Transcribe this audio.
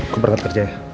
gue berterus kerja ya